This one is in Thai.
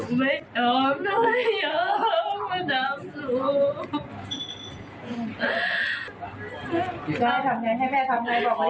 ให้แม่ทำยังไงให้แม่ทำยังไงบอกไว้